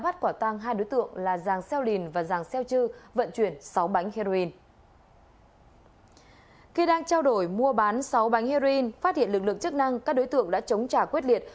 trong vụ án sáu bánh heroin phát hiện lực lượng chức năng các đối tượng đã chống trả quyết liệt